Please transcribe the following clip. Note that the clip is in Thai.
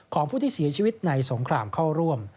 ของผู้ที่เสียชีวิตในสงครามเข้าร่วม